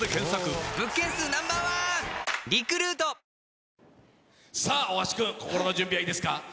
やっぱ好きだなさあ、大橋君、心の準備はいいですか？